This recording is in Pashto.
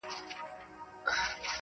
o نشه لري مستي لري په عیبو کي یې نه یم,